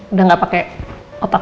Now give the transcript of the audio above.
udah gak pake otak